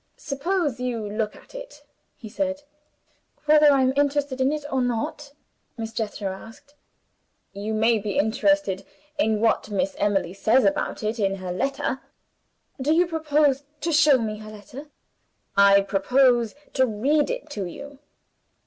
"Suppose you look at it?" he said. "Whether I am interested in it or not?" Miss Jethro asked. "You may be interested in what Miss Emily says about it in her letter." "Do you propose to show me her letter?" "I propose to read it to you."